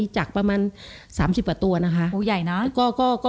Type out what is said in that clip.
จากประมาณ๓๐อักตัวนะคะ